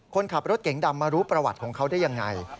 คนขับรถเก๋งดำมารู้ประวัติของเขาได้ยังไง